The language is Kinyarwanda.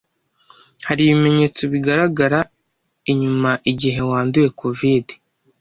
Hari ibimenyetso bigaragara inyuma igihe wanduye COVID